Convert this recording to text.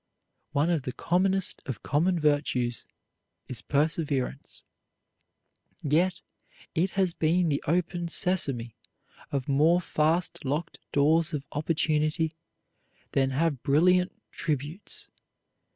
One of the commonest of common virtues is perseverance, yet it has been the open sesame of more fast locked doors of opportunity than have brilliant tributes.